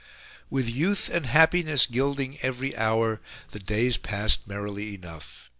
With youth and happiness gilding every hour, the days passed merrily enough.